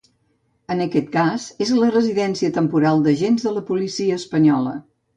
En aquest cas, és la residència temporal d’agents de la policia espanyola.